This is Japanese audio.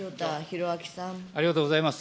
ありがとうございます。